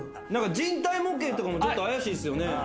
何か人体模型とかもちょっと怪しいですよね。